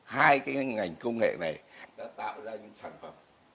hai cái ngành công nghệ này đã tạo ra những sản phẩm